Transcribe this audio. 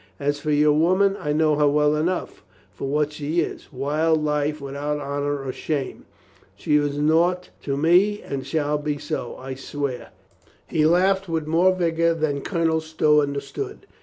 As for your woman, I know her well enough for what she is, wild life without honor or shame. She is naught to me and shall be so, I swear." He laughed with more vigor than Colonel Stow understood.